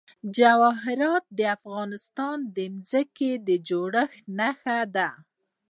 جواهرات د افغانستان د ځمکې د جوړښت نښه ده.